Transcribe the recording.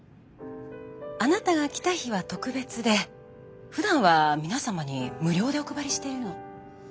あなたが来た日は特別でふだんは皆様に無料でお配りしてるの。